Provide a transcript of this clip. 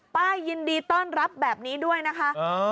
ป้ายินดีต้อนรับแบบนี้ด้วยนะคะ